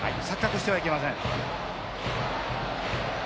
錯覚してはいけません。